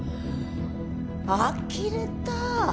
あきれた。